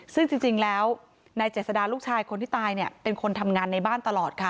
ซึ่งจริงแล้วนายเจษดาลูกชายคนที่ตายเนี่ยเป็นคนทำงานในบ้านตลอดค่ะ